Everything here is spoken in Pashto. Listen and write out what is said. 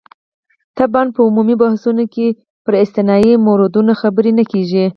طبعاً په عمومي بحثونو کې پر استثنايي موردونو خبرې نه کېږي.